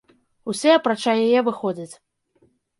Усе, апрача яе, выходзяць.